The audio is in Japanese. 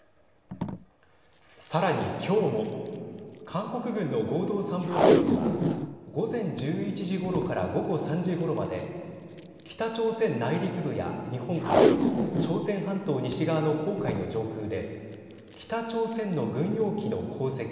さらに今日も韓国軍の合同参謀本部は午前１１時ごろから午後３時ごろまで北朝鮮内陸部や日本海朝鮮半島西側の黄海の上空で北朝鮮の軍用機の航跡